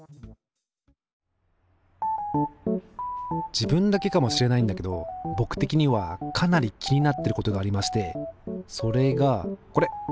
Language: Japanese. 自分だけかもしれないんだけど僕的にはかなり気になってることがありましてそれがこれ。